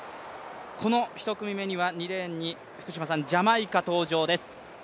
この１組目には２レーンにジャマイカ登場です。